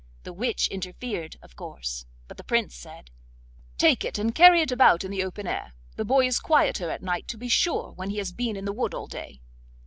The witch interfered, of course, but the Prince said: 'Take it, and carry it about in the open air; the boy is quieter at night, to be sure, when he has been in the wood all day.